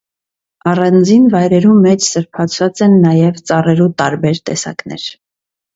Առանձին վայրերու մէջ սրբացուած են նաեւ ծառերու տարբեր տեսակներ։